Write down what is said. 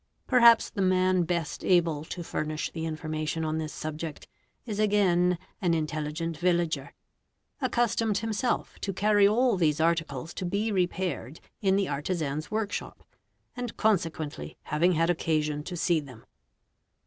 Perhaps the man best able to furnish the information on this subject is again an intelligent villager, accustomed himself to carry all these articles to be repaired in _ the artisan's workshop, and consequently having had occasion to see them.